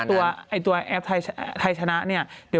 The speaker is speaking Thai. ตัวแอปไทยชนะเนี่ย